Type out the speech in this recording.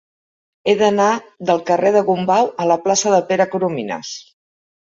He d'anar del carrer de Gombau a la plaça de Pere Coromines.